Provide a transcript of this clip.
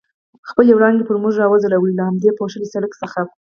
خپلې وړانګې پر موږ را وځلولې، له همدې پوښلي سړک څخه.